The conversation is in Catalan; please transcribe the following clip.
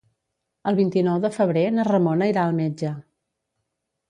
El vint-i-nou de febrer na Ramona irà al metge.